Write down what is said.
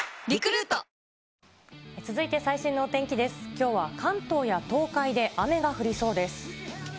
きょうは関東や東海で雨が降りそうです。